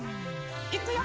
いくよ。